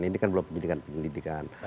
ini kan belum penyelidikan penyelidikan